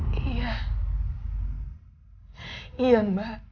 mbak yang ingin mempertubuhkan kamu sama mas roy waktu itu